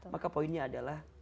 maka poinnya adalah